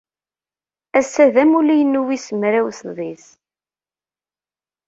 Ass-a d amulli-inu wis mraw sḍis.